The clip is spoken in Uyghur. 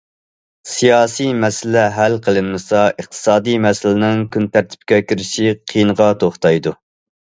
سىياسىي مەسىلە ھەل قىلىنمىسا، ئىقتىسادى مەسىلىنىڭ كۈنتەرتىپكە كىرىشى قىيىنغا توختايدۇ.